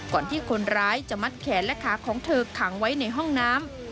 ก่อนที่คนร้ายจะมัดแขนและขาของเธอขังไว้ในห้องน้ำ